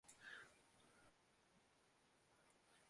忽冷忽熱